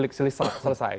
itu sebagai delik selesai